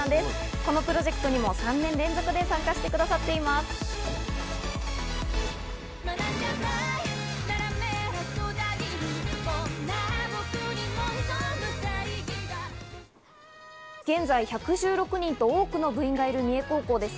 このプロジェクトにも３年連続で参加してくださっています。